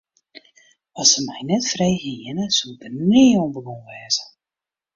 As se my net frege hiene, soe ik der nea oan begûn wêze.